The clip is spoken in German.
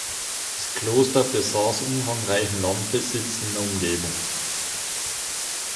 Das Kloster besaß umfangreichen Landbesitz in der Umgebung.